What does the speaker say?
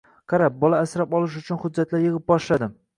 Qara, bola asrab olish uchun hujjatlar yig`ib boshladim